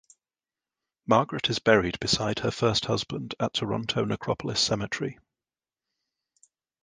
Margaret is buried beside her first husband at Toronto Necropolis Cemetery.